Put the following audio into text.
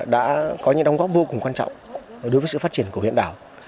đã có những đóng góp vô cùng quan trọng đối với sự phát triển của huyện đảo